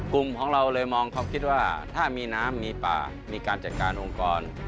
กลุ่มของเราเลยมองเขาคิดว่าถ้ามีน้ำมีป่ามีการจัดการองค์กร